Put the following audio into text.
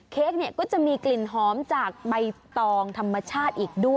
เค้กเนี่ยก็จะมีกลิ่นหอมจากใบตองธรรมชาติอีกด้วย